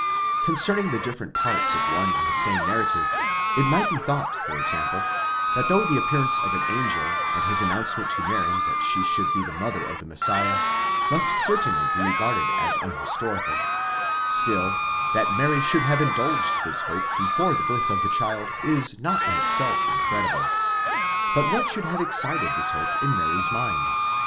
Concerning the different parts of one and the same narrative: it might be thought for example, that though the appearance of an angel, and his an nouncement to Mary that she should be the Mother of the Messiah, must certainly be regarded as unhistorical, still, that Mary should have indulged this hope before the birth of the child, is not in itself incredible. But what should have excited this hope in Mary's mind?